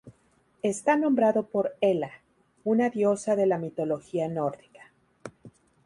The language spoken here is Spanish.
Está nombrado por Hela, una diosa de la mitología nórdica.